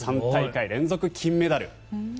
３大会連続金メダル。